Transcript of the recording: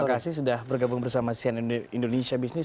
terima kasih sudah bergabung bersama sian indonesia business